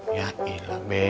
ya ilah be